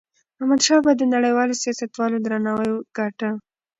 احمدشاه بابا د نړیوالو سیاستوالو درناوی ګاټه.